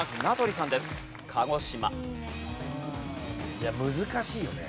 いや難しいよね。